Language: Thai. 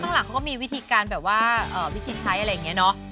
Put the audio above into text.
ข้างหลังเขาก็มีวิธีการแบบว่าวิธีใช้อะไรอย่างนี้เนอะ